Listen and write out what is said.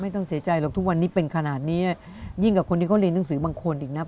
ต้องเสียใจหรอกทุกวันนี้เป็นขนาดนี้ยิ่งกว่าคนที่เขาเรียนหนังสือบางคนอีกนะ